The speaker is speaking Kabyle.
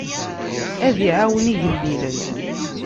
Ad iɛawen igellilen.